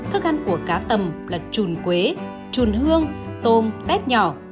thức ăn của cá tầm là trùn quế chuồn hương tôm tét nhỏ